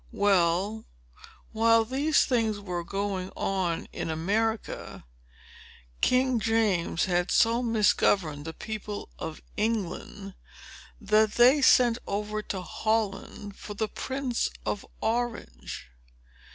Well; while these things were going on in America, King James had so misgoverned the people of England, that they sent over to Holland for the Prince of Orange.